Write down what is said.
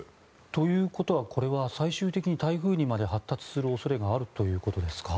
ということはこれは最終的に台風にまで発達する恐れがあるということですか？